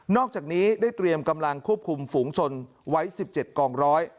อกจากนี้ได้เตรียมกำลังควบคุมฝูงชนไว้๑๗กองร้อย